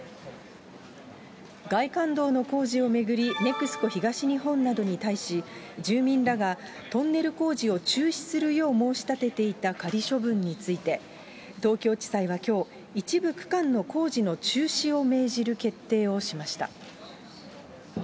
外環道の工事を巡り、ＮＥＸＣＯ東日本などに対し、住民らがトンネル工事を中止するよう申し立てていた仮処分について、東京地裁はきょう、一部区間の工事の中止を命じる決定をしました。